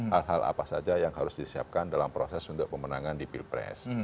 hal hal apa saja yang harus disiapkan dalam proses untuk pemenangan di pilpres